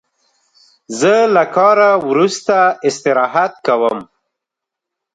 زه له کاره وروسته استراحت کوم.